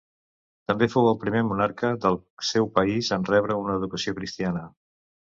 També fou el primer monarca del seu país en rebre una educació cristiana.